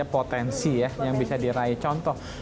potensi ya yang bisa diraih contoh